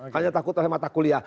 karena takut oleh mata kuliah